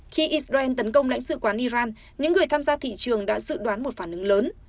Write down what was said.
khi israel tấn công lãnh sự quán iran những người tham gia thị trường đã dự đoán một phản ứng lớn